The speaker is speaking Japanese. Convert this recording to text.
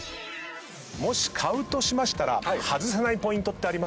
もし買うとしましたら外せないポイントってありますか？